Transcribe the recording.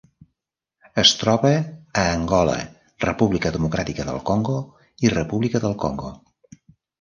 Es troba a Angola, República Democràtica del Congo i República del Congo.